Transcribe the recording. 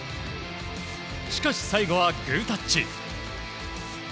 しかし、最後はグータッチ。